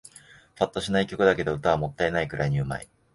ぱっとしない曲だけど、歌はもったいないくらいに上手い